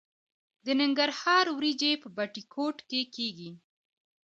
د ننګرهار وریجې په بټي کوټ کې کیږي.